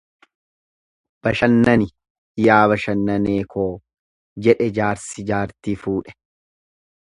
Bashannani yaa bashannanee koo, jedhe jaarsi jaartii fuudhe.